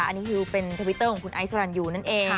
อันนี้ฮิวเป็นทวิตเตอร์ของคุณไอซรันยูนั่นเอง